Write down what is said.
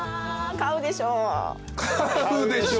買うでしょ。